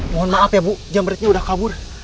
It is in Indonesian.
mohon maaf ya bu jam beritnya udah kabur